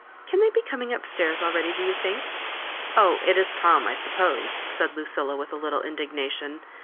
Can they be coming up stairs ah eady, do you think ? Oh, it is Tom, I suppose," said Lucilla, with a little indignation!